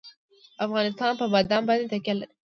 افغانستان په بادام باندې تکیه لري.